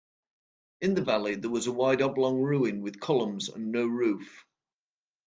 In the valley, there was a wide oblong ruin with columns and no roof.